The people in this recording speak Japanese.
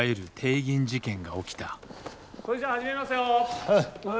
はい。